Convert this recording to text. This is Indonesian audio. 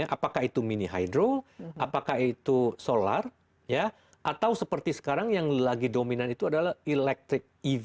apakah itu mini hydro apakah itu solar atau seperti sekarang yang lagi dominan itu adalah electric ev